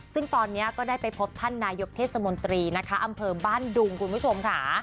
ซึ่งตอนนี้ก็ได้ไปพบท่านนายกเทศมนตรีนะคะอำเภอบ้านดุงคุณผู้ชมค่ะ